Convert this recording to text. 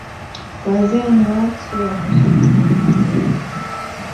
Wazee ni watu wa muhimu sana kwa jamii